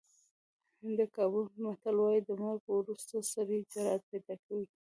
د ګابون متل وایي د مرګ وروسته سړی جرأت پیدا کوي.